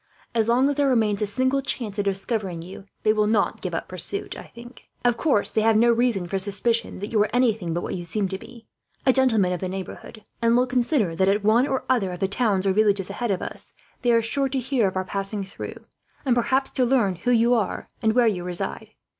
As long as there remains a single chance of discovering you, they will not give up pursuit. Of course, they have no reason for suspicion that you are anything but what you seem to be, a gentleman of the neighbourhood; and will consider that, at one or other of the towns or villages ahead of us, they are sure to hear of our passing through, and perhaps to learn who you are and where you reside.